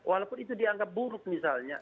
walaupun itu dianggap buruk misalnya